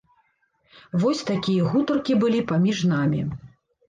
Вось такія гутаркі былі паміж намі.